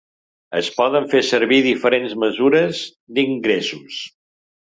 Es poden fer servir diferents mesures d'ingressos.